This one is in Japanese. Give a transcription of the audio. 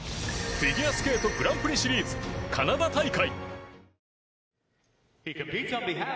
フィギュアスケートグランプリシリーズカナダ大会。